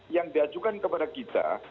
yang diajukan kepada kita